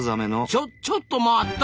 ちょちょっと待った！